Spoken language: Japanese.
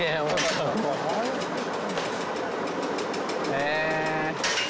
へえ。